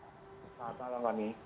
selamat malam pani